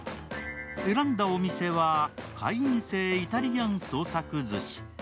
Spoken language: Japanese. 選んだお店は、会員制イタリアン創作ずし。